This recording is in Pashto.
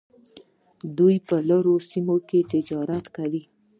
دوی په لرې سیمو کې تجارت کاوه